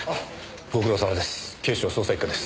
ご苦労さまです。